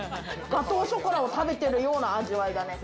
ガトーショコラを食べているような味わいだね。